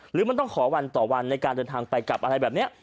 หรือมันต้องขอวันต่อวันในการเดินทางไปกลับอะไรแบบนี้